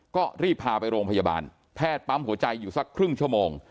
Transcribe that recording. ก็รีบพาไปโรงพยาบาลแพทย์ปั๊มหัวใจอยู่สักครึ่งชั่วโมง